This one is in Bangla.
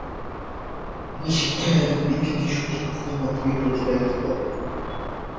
তিনি শিক্ষা এবং বিজ্ঞানকে সঠিক উপমার মাধ্যমে প্রতিকায়িত করেন।